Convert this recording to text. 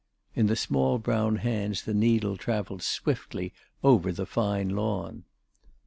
In the small brown hands the needle travelled swiftly over the fine lawn.